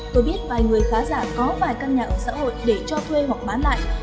tôi biết vài người khá giả có vài căn nhà ở xã hội để cho thuê hoặc bán lại